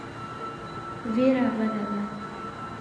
وېره بده ده.